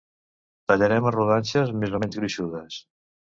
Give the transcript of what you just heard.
Tallarem a rodanxes més o menys gruixudes